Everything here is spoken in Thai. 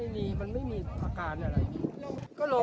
ไม่เคยเกิดอย่างนี้มาก่อน